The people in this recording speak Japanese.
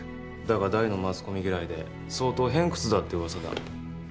だが大のマスコミ嫌いで相当偏屈だってうわさだ。